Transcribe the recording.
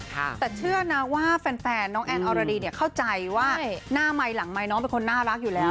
แต่เชื่อนะว่าแฟนน้องแอนอรดีเนี่ยเข้าใจว่าหน้าไมค์หลังไมค์น้องเป็นคนน่ารักอยู่แล้ว